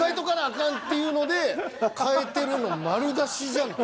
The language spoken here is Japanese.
かんっていうので変えてるの丸出しじゃない？